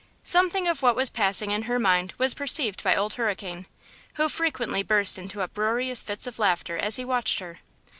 Something of what was passing in her mind was perceived by Old Hurricane, who frequently burst into uproarious fits of laughter as he watched her.